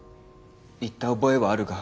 言った覚えはあるが。